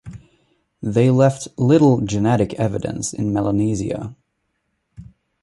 They left little genetic evidence in Melanesia.